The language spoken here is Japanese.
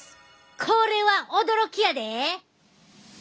これは驚きやで！